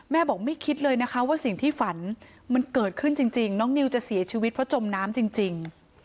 บอกไม่คิดเลยนะคะว่าสิ่งที่ฝันมันเกิดขึ้นจริงน้องนิวจะเสียชีวิตเพราะจมน้ำจริง